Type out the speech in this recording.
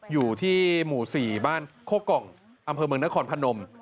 อยู่ที่หมู่๔บ้านโคกองอำเภอเมืองนครพนม